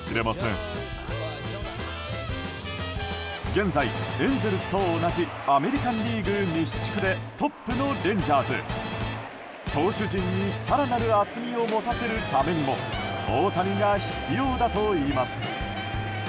現在、エンゼルスと同じアメリカン・リーグ西地区でトップのレンジャーズ。投手陣に更なる厚みを持たせるためにも大谷が必要だといいます。